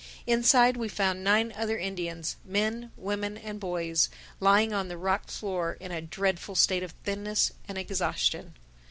Inside we found nine other Indians, men, women and boys, lying on the rock floor in a dreadful state of thinness and exhaustion.